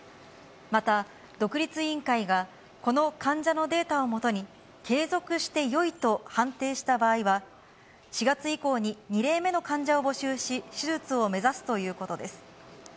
また、独立委員会が、この患者のデータを基に、継続してよいと判定した場合は、４月以降に２例目の患者を募集し、手術を目指すということです。